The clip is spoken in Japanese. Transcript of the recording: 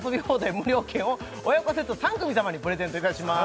無料券を親子セット３組様にプレゼントいたします